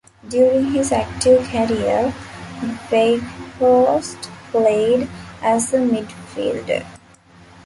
During his active career, Wieghorst played as a midfielder.